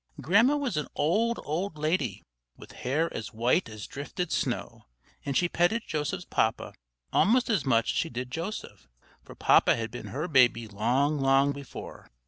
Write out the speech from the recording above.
Grandma was an old, old lady, with hair as white as drifted snow; and she petted Joseph's papa almost as much as she did Joseph, for Papa had been her baby long, long before.